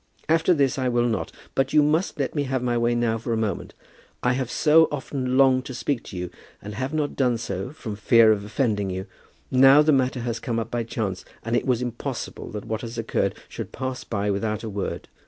"After this I will not; but you must let me have my way now for one moment. I have so often longed to speak to you, but have not done so from fear of offending you. Now the matter has come up by chance, and it was impossible that what has occurred should pass by without a word.